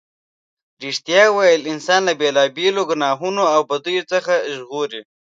رښتیا ویل انسان له بېلا بېلو گناهونو او بدیو څخه ژغوري.